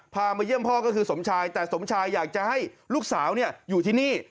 มาเยี่ยมพ่อก็คือสมชายแต่สมชายอยากจะให้ลูกสาวอยู่ที่นี่